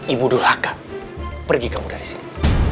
ibu durhaka pergi kamu dari sini